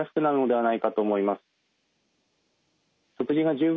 はい。